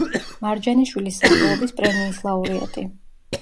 მარჯანიშვილის სახელობის პრემიის ლაურეატი.